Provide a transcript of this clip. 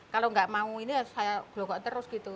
kalau nggak mau ini ya saya glokok terus gitu